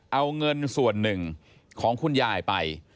เอาเงินส่วนหนึ่งของคุณยายไป